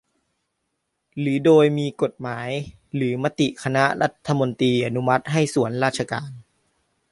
หรือโดยมีกฎหมายหรือมติคณะรัฐมนตรีอนุมัติให้ส่วนราชการ